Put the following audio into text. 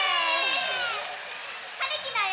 はるきだよ！